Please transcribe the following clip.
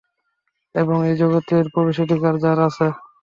এবং, এই জগতের প্রবেশাধিকার যার আছে।